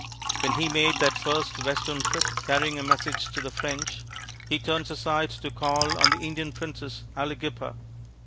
When he made that first Western trip, carrying a message to the French, he turns aside to call on the Indian princess, Aliguippa.